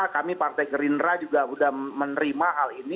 kami partai gerindra juga sudah menerima hal ini